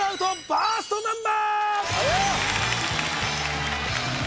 バーストナンバー